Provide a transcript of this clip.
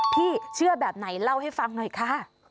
เชื่อแบบไหนเล่าให้ฟังหน่อยค่ะ